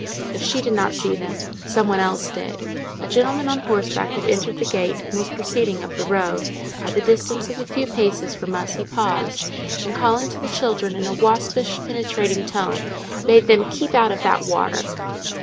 If she did not see them, some one else did—a gentleman on horseback had entered the gate and was proceeding up the road; at the distance of a few paces from us he paused, and calling to the children in a waspish penetrating tone, bade them "keep out of that water."